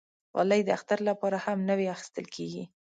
غالۍ د اختر لپاره هم نوی اخېستل کېږي.